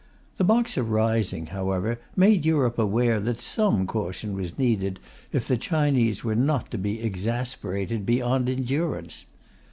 The Boxer rising, however, made Europe aware that some caution was needed if the Chinese were not to be exasperated beyond endurance.